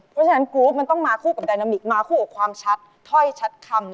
เพราะฉะนั้นกรูฟมันต้องมาคู่กับไดนามิกมาคู่กับความชัดถ้อยชัดคำ